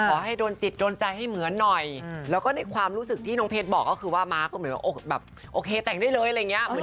ขอให้โดนจิตโดนใจให้เหมือนหน่อยแล้วก็ในความรู้สึกที่น้องเพชรบอกก็คือว่าม้าก็เหมือนว่าแบบโอเคแต่งได้เลยอะไรอย่างนี้